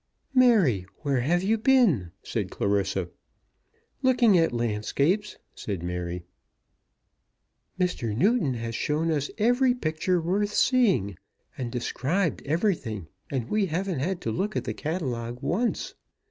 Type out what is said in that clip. "Mary, where have you been?" said Clarissa. "Looking at landscapes," said Mary. "Mr. Newton has shown us every picture worth seeing, and described everything, and we haven't had to look at the catalogue once.